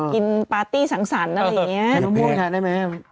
กินปาร์ตี้สังสรรค์อะไรอย่างนี้